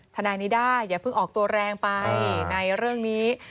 ทนายนิด้าอย่าเพิ่งออกตัวแรงไปในเรื่องนี้